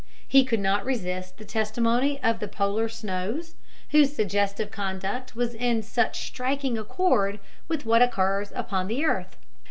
He could not resist the testimony of the polar snows, whose suggestive conduct was in such striking accord with what occurs upon the earth.